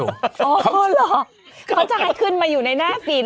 มันจะขัดขึ้นในหน้าฟีมเลย